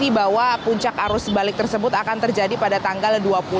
bahwa puncak arus balik tersebut akan terjadi pada tanggal dua puluh